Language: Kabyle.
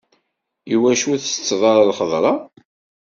Iwacu ur tettetteḍ ara lxeḍra?